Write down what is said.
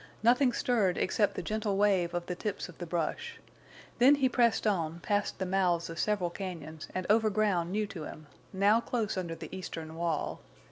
Nothing stirred except the gentle wave of the tips of the brush. Then he pressed on past the mouths of several cañons and over ground new to him, now close under the eastern wall.